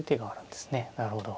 なるほど。